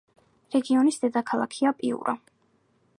რეგიონის დედაქალაქია პიურა.